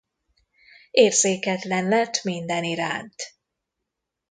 Érzéketlen lett minden iránt.